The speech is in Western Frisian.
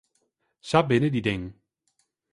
Sa binne dy dingen.